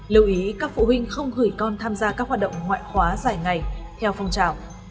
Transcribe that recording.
lưu ý các phụ huynh không gửi con tham gia các hoạt động ngoại khóa dài ngày theo phong trào